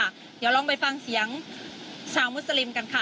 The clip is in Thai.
เดี๋ยวลองไปฟังเสียงชาวมุสลิมกันค่ะ